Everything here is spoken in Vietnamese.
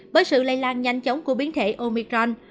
với sự lây lan nhanh chóng của biến thể omicron